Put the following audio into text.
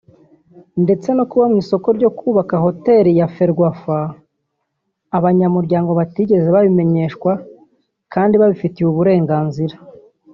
ndetse no kuba mu isoko ryo kubaka Hoteli ya Ferwafa abanyamuryango batigeze babimenyeshwa kandi babifitiye uburenganzira